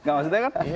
gak maksudnya kan